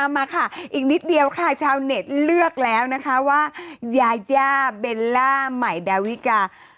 มาค่ะอีกนิดเดียวค่ะชาวเน็ตเลือกแล้วนะคะว่ายาย่าเบลล่าใหม่ดาวิกา